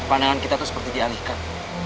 pandangan kita tuh seperti dianihkan